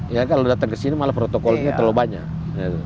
ya kalau datang ke sini malah protokolnya terlalu banyak